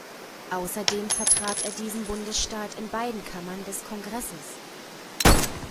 Außerdem vertrat er diesen Bundesstaat in beiden Kammern des Kongresses.